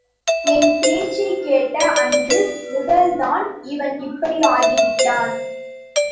என்பேச்சைக் கேட்ட அன்று முதல்தான் இவன் இப்படி ஆகிவிட்டான்.